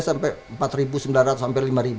sampai empat ribu sembilan ratus sampai lima